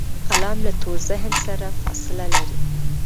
قلم له تور ذهن سره فاصله لري